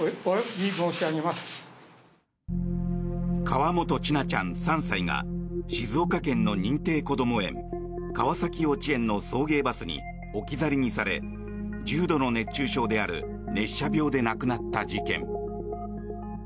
河本千奈ちゃん、３歳が静岡県の認定こども園川崎幼稚園の送迎バスに置き去りにされ重度の熱中症である熱射病で亡くなった事件。